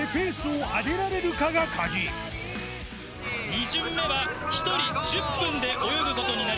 ２巡目は１人１０分で泳ぐことになります。